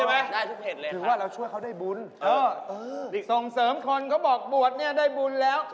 พี่จึงเหลือ